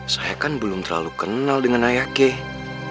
saya kan belum terlalu kenal dengan ayah key